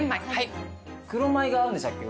黒米が合うんでしたっけ？